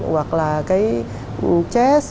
hoặc là cái chess